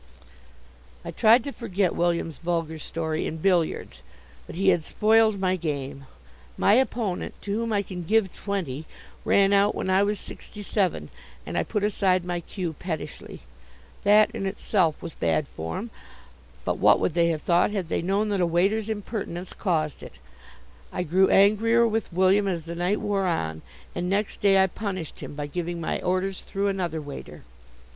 I tried to forget William's vulgar story in billiards, but he had spoiled my game. My opponent, to whom I can give twenty, ran out when I was sixty seven, and I put aside my cue pettishly. That in itself was bad form, but what would they have thought had they known that a waiter's impertinence caused it! I grew angrier with William as the night wore on, and next day I punished him by giving my orders through another waiter.